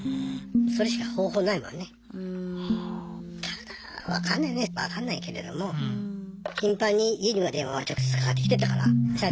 ただ分かんないね分かんないけれども頻繁に家には電話は直接かかってきてたから社長から。